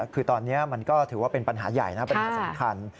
คือตอนนี้มันก็ถือว่าเป็นปัญหาใหญ่นะปัญหาสำคัญ